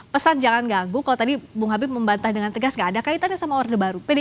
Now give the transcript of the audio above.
pesan jangan ganggu kalau tadi bung habib membantah dengan tegas gak ada kaitannya sama orde baru pdi